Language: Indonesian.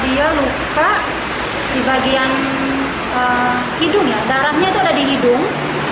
dia luka di bagian hidung ya darahnya itu ada di hidung